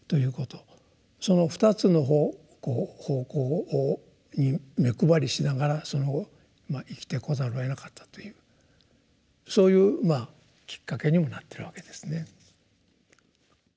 その２つの方向に目配りしながら生きてこざるをえなかったというそういうきっかけにもなってるわけですね。